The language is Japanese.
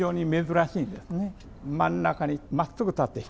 真ん中にまっすぐ立って光。